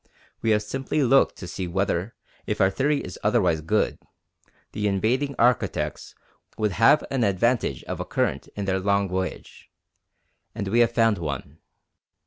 We have simply looked to see whether, if our theory is otherwise good, the invading architects would have an advantage of a current in their long voyage. And we have found one.